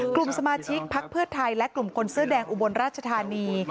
กลุ่มสมาชิกพักเพื่อไทยและกลุ่มคนเสื้อแดงอุบลราชธานี